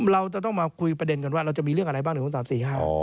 เราจะต้องมาคุยประเด็นกันว่าเราจะมีเรื่องอะไรบ้างหนึ่งสองสามสี่ห้า